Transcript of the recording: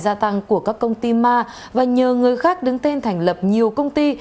gia tăng của các công ty ma và nhờ người khác đứng tên thành lập nhiều công ty